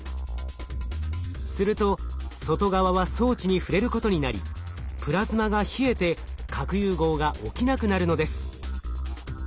すると外側は装置に触れることになりプラズマが冷えて核融合が起きなくなるのです。